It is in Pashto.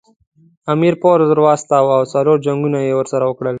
امیر پوځ ور واستاوه او څلور جنګونه یې ورسره وکړل.